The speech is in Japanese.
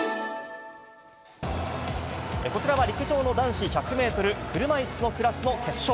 こちらは陸上の男子１００メートル、車いすのクラスの決勝。